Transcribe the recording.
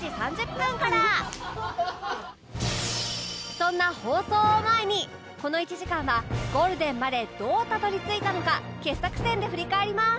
そんな放送を前にこの１時間はゴールデンまでどうたどり着いたのか傑作選で振り返ります